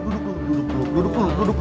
duduk duduk duduk